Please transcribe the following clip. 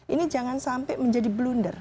ini jangan sampai menjadi blunder